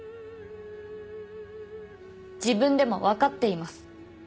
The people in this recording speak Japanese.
自分でもわかっています。